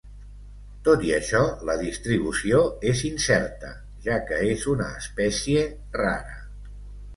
Tot i això la distribució és incerta, ja que és una espècie rara.